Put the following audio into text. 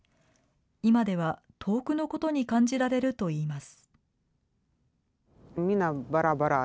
今では遠くのことに感じられるといいます。